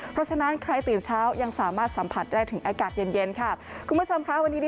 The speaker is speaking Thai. เพราะฉะนั้นใครตื่นเช้ายังสามารถสัมผัสได้ถึงอากาศเย็นค่ะ